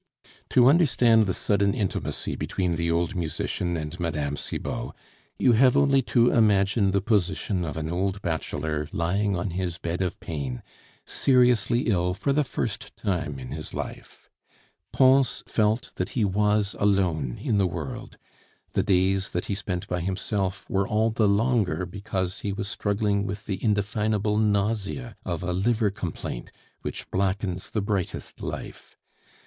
To understand the sudden intimacy between the old musician and Mme. Cibot, you have only to imagine the position of an old bachelor lying on his bed of pain, seriously ill for the first time in his life. Pons felt that he was alone in the world; the days that he spent by himself were all the longer because he was struggling with the indefinable nausea of a liver complaint which blackens the brightest life.